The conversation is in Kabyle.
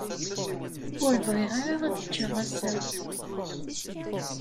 Ur bɣiɣ ara ad ččeɣ ass-a.